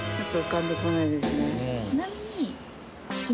ちなみに。